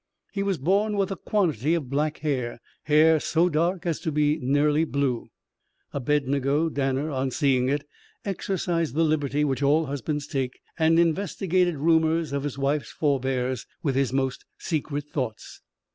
He was born with a quantity of black hair hair so dark as to be nearly blue. Abednego Danner, on seeing it, exercised the liberty which all husbands take, and investigated rumours of his wife's forbears with his most secret thoughts.